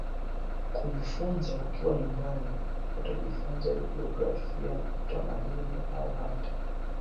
kujifunza ukiwa nyumbani Utajifunza jiografia utamaduni au hata